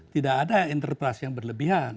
tidak ada interpelasi yang berlebihan